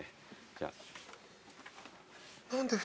じゃあ。